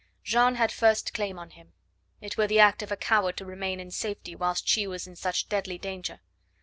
Jeanne had first claim on him. It were the act of a coward to remain in safety whilst she was in such deadly danger.